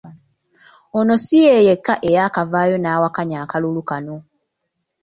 Ono ssi ye yekka eyakavaayo n'awakanya akalulu kano.